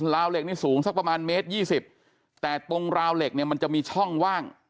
เหล็กนี่สูงสักประมาณเมตร๒๐แต่ตรงราวเหล็กเนี่ยมันจะมีช่องว่าง